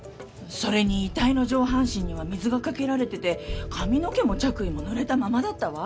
それに遺体の上半身には水がかけられてて髪の毛も着衣もぬれたままだったわ。